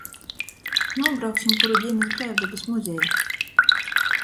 Nūbrauksim kuru dīn iz Breivdobys muzeju!